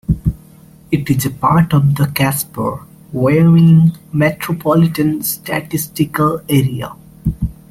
It is a part of the Casper, Wyoming Metropolitan Statistical Area.